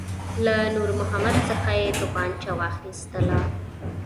له نور محمد څخه یې توپنچه واخیستله.